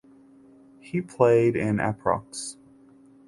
He played in approx.